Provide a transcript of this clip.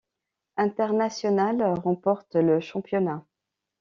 Internacional remporte le championnat.